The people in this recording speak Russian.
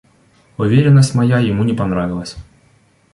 Уверенность моя ему не понравилась.